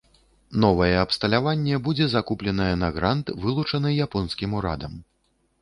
Новае абсталяванне будзе закупленае на грант, вылучаны японскім урадам.